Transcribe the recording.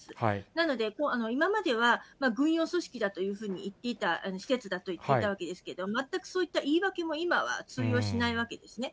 なので、今までは軍用組織だというふうに言っていた、施設だと言っていたわけですけれども、全くそういった言い訳も今は通用しないわけですね。